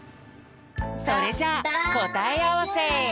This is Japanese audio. それじゃあこたえあわせ！